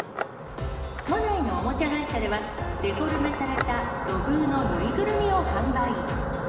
都内のおもちゃ会社では、デフォルメされた土偶の縫いぐるみを販売。